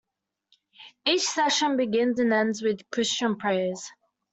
Each session begins and ends with Christian prayers.